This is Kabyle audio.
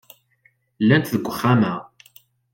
Llant deg uxxam-a.